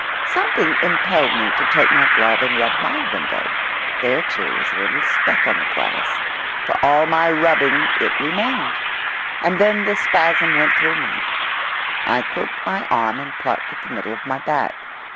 Something impelled me to take my glove and rub my window. There, too, was a little speck on the glass. For all my rubbing it remained. And then the spasm went through me I crooked my arm and plucked at the middle of my back.